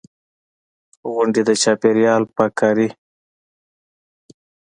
غونډې، د چاپېریال پاک کاري.